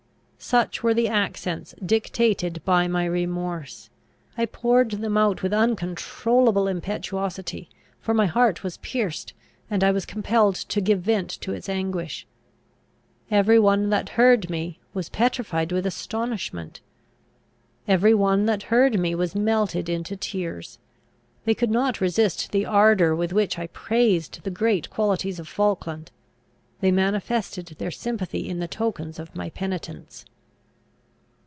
Such were the accents dictated by my remorse. I poured them out with uncontrollable impetuosity; for my heart was pierced, and I was compelled to give vent to its anguish. Every one that heard me, was petrified with astonishment. Every one that heard me, was melted into tears. They could not resist the ardour with which I praised the great qualities of Falkland; they manifested their sympathy in the tokens of my penitence.